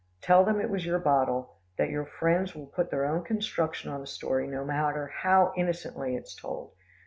Tell them it was your bottle, that your friends will put their own construction on the story, no matter how innocently it is told.